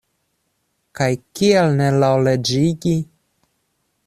Kaj kial ne laŭleĝigi?